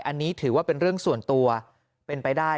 อันนี้ถือว่าเป็นเรื่องส่วนตัวเป็นไปได้